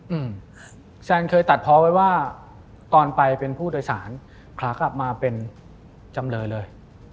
อืมแซนเคยตัดเพาะไว้ว่าตอนไปเป็นผู้โดยสารขากลับมาเป็นจำเลยเลย